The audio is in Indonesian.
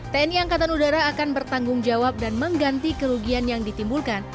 tni angkatan udara akan bertanggung jawab dan mengganti kerugian yang ditimbulkan